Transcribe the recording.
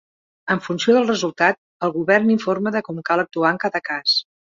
En funció del resultat, el govern informa de com cal actuar en cada cas.